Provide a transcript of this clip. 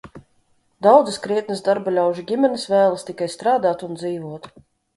Daudzas krietnas darbaļaužu ģimenes vēlas tikai strādāt un dzīvot!